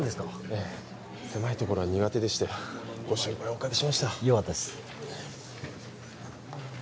ええ狭いところは苦手でしてご心配をおかけしましたよかったです